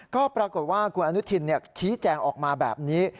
ก็ปรากฏว่าคุณอนุทินชี้แจงออกมาแบบนี้